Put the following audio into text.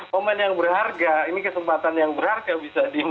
momen yang berharga ini kesempatan yang berharga bisa dimanfaatkan